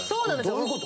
どういうこと？